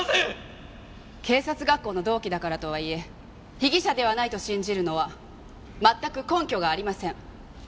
警察学校の同期だからとはいえ被疑者ではないと信じるのは全く根拠がありません。